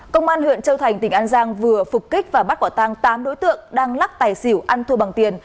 công an huyện châu thành tỉnh an giang vừa phục kích và bắt quả tang tám đối tượng đang lắc tài xỉu ăn thua bằng tiền